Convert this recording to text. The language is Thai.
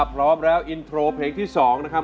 พร้อมแล้วอินโทรเพลงที่๒นะครับ